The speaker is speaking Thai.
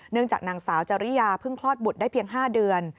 จากนางสาวจริยาเพิ่งคลอดบุตรได้เพียง๕เดือน